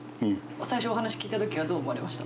最初、お話聞いたときはどう思われました？